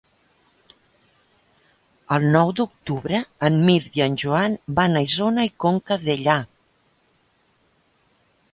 El nou d'octubre en Mirt i en Joan van a Isona i Conca Dellà.